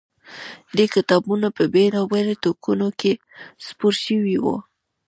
دې کتابونه په بېلا بېلو ټوکونوکې خپور شوی و.